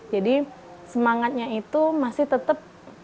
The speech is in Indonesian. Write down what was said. jadi semangatnya itu masih tetap